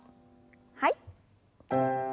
はい。